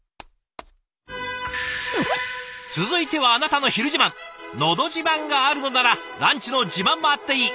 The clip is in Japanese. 続いては「のど自慢」があるのならランチの自慢もあっていい！